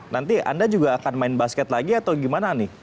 nanti anda juga akan main basket lagi atau gimana nih